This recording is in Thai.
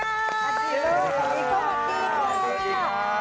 สวัสดีค่า